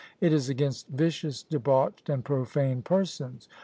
It is against "vicious, debauched, and profane persons!"